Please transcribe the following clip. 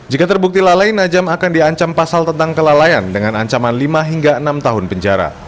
jika terbukti lalai najam akan diancam pasal tentang kelalaian dengan ancaman lima hingga enam tahun penjara